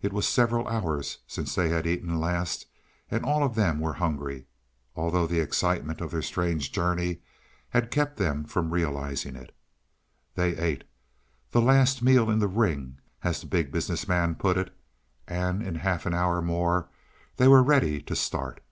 It was several hours since they had eaten last, and all of them were hungry, although the excitement of their strange journey had kept them from realizing it. They ate "the last meal in the ring" as the Big Business Man put it and in half an hour more they were ready to start.